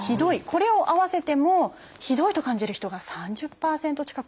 これを合わせても「ひどい」と感じる人が３０％近くいるんですよ。